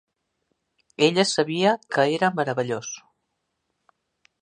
Ella sabia que era meravellós.